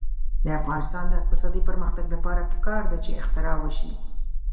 د افغانستان د اقتصادي پرمختګ لپاره پکار ده چې اختراع وشي.